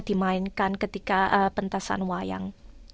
dimainkan ketika pentasan wayang